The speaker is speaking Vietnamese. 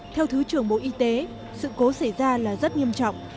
theo thứ trưởng bộ y tế sự cố xảy ra là rất nghiêm trọng